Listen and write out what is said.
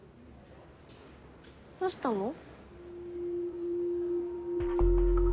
どうしたの？